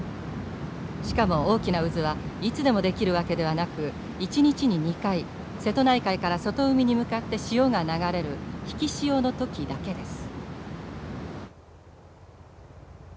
しかも大きな渦はいつでも出来るわけではなく一日に２回瀬戸内海から外海に向かって潮が流れる引き潮の時だけです。